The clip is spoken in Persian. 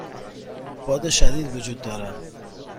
باد شدید وجود دارد.